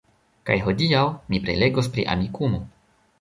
Kaj hodiaŭ mi prelegos pri Amikumu!